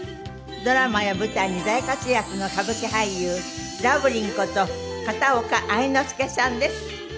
ドラマや舞台に大活躍の歌舞伎俳優ラブリンこと片岡愛之助さんです。